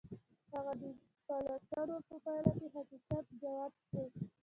د هغه د پلټنو په پايله کې حقيقت جوت شو.